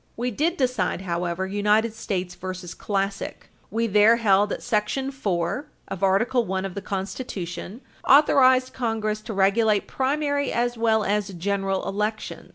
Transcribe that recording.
We did decide, however, United States v. Classic, 313 U. S. 299. We there held that § 4 of Article I of the Constitution authorized Congress to regulate primary, as well as general, elections, 313 U.